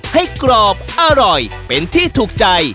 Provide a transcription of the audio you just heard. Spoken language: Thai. กรอบอร่อยเป็นที่ถูกใจ